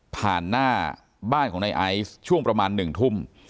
ผ่านหน้าบ้านของไอ้ไอซ์ช่วงประมาณหนึ่งทุ่ม